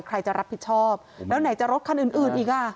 ใครจะรับผิดชอบแล้วไหนจะรถคันอื่นอีกอ่ะ